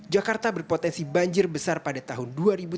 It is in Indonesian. jakarta berpotensi banjir besar pada tahun dua ribu sembilan belas